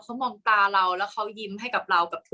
กากตัวทำอะไรบ้างอยู่ตรงนี้คนเดียว